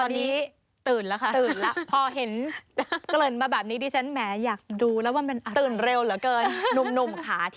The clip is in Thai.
นี่มีง่วงกันหรือเปล่าคะ